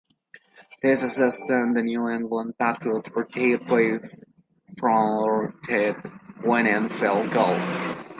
This assisted the New England Patriots on their drive for the winning field goal.